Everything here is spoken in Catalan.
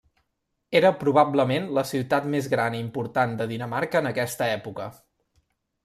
Era probablement la ciutat més gran i important de Dinamarca en aquesta època.